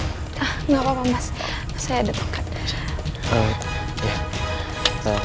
gak apa apa mas saya ada tokan